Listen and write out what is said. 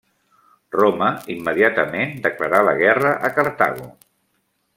Roma, immediatament, declarà la guerra a Cartago.